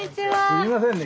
すみませんね